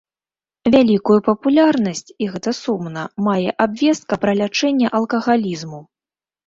Вялікую папулярнасць, і гэта сумна, мае абвестка пра лячэнне алкагалізму.